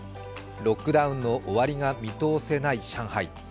ロックダウンの終わりが見通せない上海。